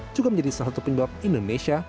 juga menjadi salah satu penyebab indonesia